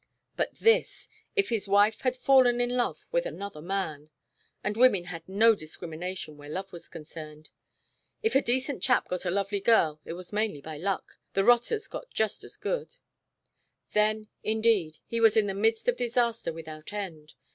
But this if his wife had fallen in love with another man and women had no discrimination where love was concerned (if a decent chap got a lovely girl it was mainly by luck; the rotters got just as good) then indeed he was in the midst of disaster without end.